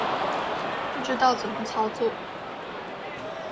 不知道怎麼操作